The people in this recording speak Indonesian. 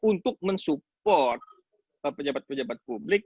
untuk mensupport pejabat pejabat publik